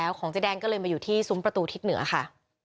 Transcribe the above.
อีมังของแจ้แดงก็เลยมาอยู่ที่ทิศประตูทิศเหนือค่ะ